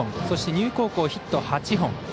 そして、丹生高校はヒット８本。